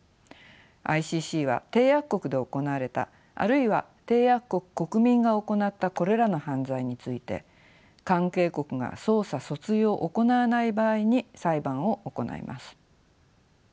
ＩＣＣは締約国で行われたあるいは締約国国民が行ったこれらの犯罪について関係国が捜査訴追を行わない場合に裁判を行います。